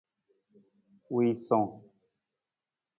Wiisung.